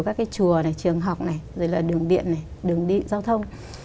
các cái chùa này trường học này rồi là đường điện này đường điện giao thông